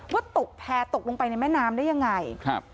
ว่าตกแพร่ตกลงไปในแม่น้ำได้ยังไงครับ